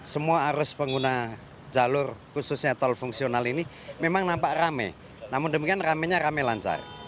semua arus pengguna jalur khususnya tol fungsional ini memang nampak rame namun demikian ramenya rame lancar